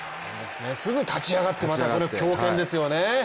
すぐ立ち上がって、これまた強肩ですよね。